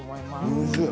おいしい。